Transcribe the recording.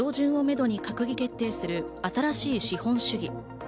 来月上旬をめどに閣議決定する新しい資本主義。